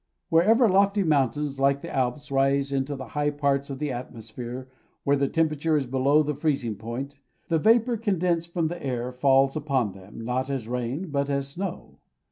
Wherever lofty mountains, like the Alps, rise into the high parts of the atmosphere where the temperature is below the freezing point, the vapour condensed from the air falls upon them, not as rain, but as snow.